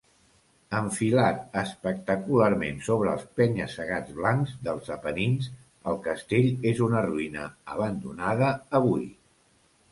Enfilat espectacularment sobre els penya-segats blancs dels Apenins, el castell és una ruïna abandonada avui.